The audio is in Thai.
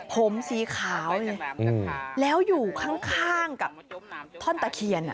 ผมสีขาวเลยแล้วอยู่ข้างกับท่อนตะเคียน